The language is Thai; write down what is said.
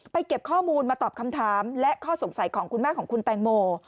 เก็บข้อมูลมาตอบคำถามและข้อสงสัยของคุณแม่ของคุณแตงโม